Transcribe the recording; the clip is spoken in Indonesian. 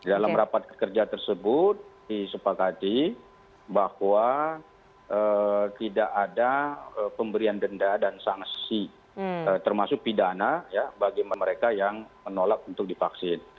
dalam rapat kerja tersebut disepakati bahwa tidak ada pemberian denda dan sanksi termasuk pidana bagi mereka yang menolak untuk divaksin